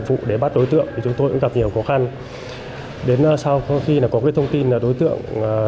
vụ để bắt đối tượng thì chúng tôi cũng gặp nhiều khó khăn đến sau khi có cái thông tin là đối tượng